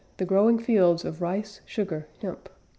the growing fields of rice, sugar, hemp!